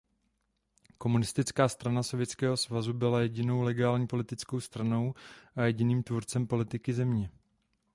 Komunistická strana Sovětského svazu byla jedinou legální politickou stranou a jediným tvůrcem politiky země.